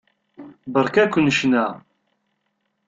Beṛka-ken ccna.